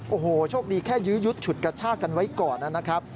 โอ้โหโชคดีแค่ยื้อยุดฉุดกระชากันไว้ก่อนนะครับ